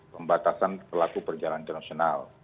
pembatasan pelaku perjalanan internasional